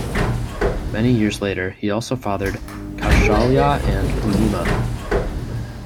Many years later he also fathered Kaushalya and Poornima.